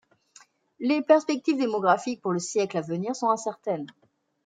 Les perspectives démographiques pour le siècle à venir sont incertaines.